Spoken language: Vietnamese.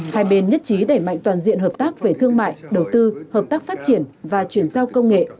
hai bên nhất trí đẩy mạnh toàn diện hợp tác về thương mại đầu tư hợp tác phát triển và chuyển giao công nghệ